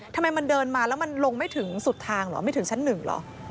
ทำไมมันเดินมาแล้วมันลงไม่ถึงสุดทางเหรอไม่ถึงชั้นหนึ่งเหรอ